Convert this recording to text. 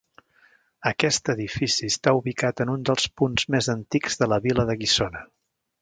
Aquest edifici està ubicat en un dels punts més antics de la vila de Guissona.